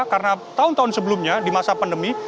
karena tahun tahun sebelumnya di masa pandemi